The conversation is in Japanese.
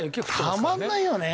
たまんないよね。